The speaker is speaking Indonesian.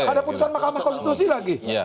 ada putusan mahkamah konstitusi lagi